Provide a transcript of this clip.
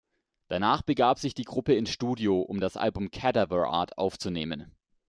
Danach begab sich die Gruppe ins Studio, um das Album "Cadaver Art" aufzunehmen.